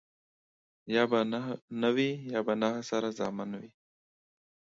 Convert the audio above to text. يا به نه وي ،يا به نه سره زامن وي.